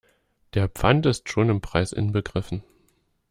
Der Pfand ist schon im Preis inbegriffen.